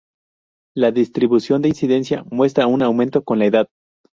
La distribución de incidencia muestra un aumento con la edad.